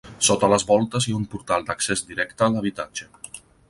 Sota les voltes hi ha un portal d'accés directe a l'habitatge.